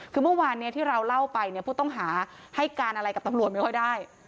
คือเมื่อวานที่เราเล่าไปเนี่ยผู้ต้องหาให้การอะไรกับตำรวจไม่ค่อยได้